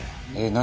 何？